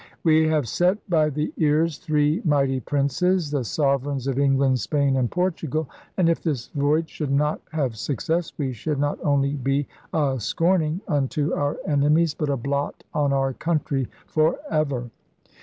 *We have set by the ears three mighty Princes [the sovereigns of England, Spain, and Portugal]; and if this voyage should not have success we should not only be a scorning unto our enemies but a blot on our country for ever.